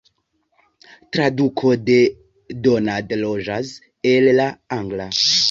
Traduko de Donald Rogers el la angla.